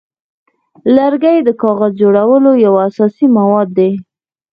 لرګی د کاغذ جوړولو یو اساسي مواد دی.